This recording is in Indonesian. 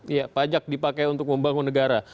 iya pajak dipakai untuk membangun negara